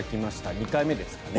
２回目ですかね。